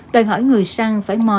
đời hỏi người săn phải mò